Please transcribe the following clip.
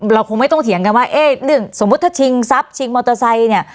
เราคงไม่ต้องเถียงกันว่าเอ๊ะเรื่องสมมุติถ้าชิงทรัพย์ชิงมอเตอร์ไซค์เนี่ย